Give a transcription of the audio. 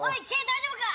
大丈夫か？